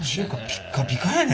ピッカピカやね。